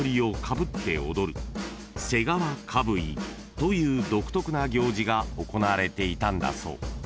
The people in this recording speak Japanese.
［という独特な行事が行われていたんだそう］